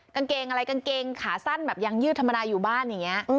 กางเกงอะไรกางเกงขาสั้นแบบยังยืดธรรมดาอยู่บ้านอย่างนี้